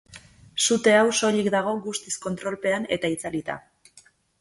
Sute hau soilik dago guztiz kontrolpean eta itzalita.